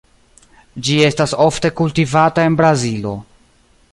Ĝi estas ofte kultivata en Brazilo.